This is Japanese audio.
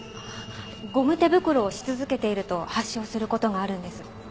ゴム手袋をし続けていると発症する事があるんです。